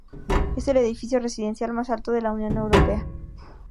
Es el edificio residencial más alto de la Unión Europea.